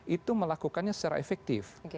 itu melakukannya secara efektif